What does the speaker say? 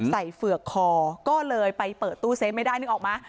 เฝือกคอก็เลยไปเปิดตู้เซฟไม่ได้นึกออกมา